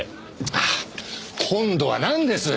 ああ今度はなんです？